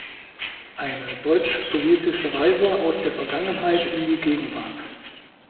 Eine deutsch-sowjetische Reise aus der Vergangenheit in die Gegenwart".